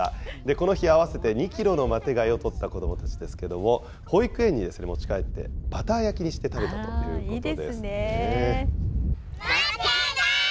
この日、合わせて２キロのマテ貝を採った子どもたちですけれども、保育園に持ち帰って、バター焼きいいですね。